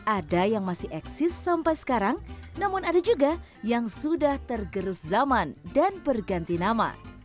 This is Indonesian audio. ada yang masih eksis sampai sekarang namun ada juga yang sudah tergerus zaman dan berganti nama